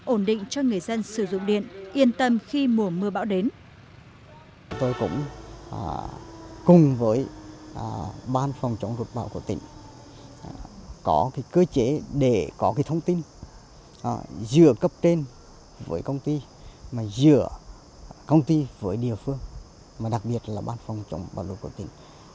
ổn định cho người dân sử dụng điện yên tâm khi mùa mưa bão đến